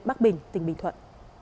bắc bình tỉnh bình thuận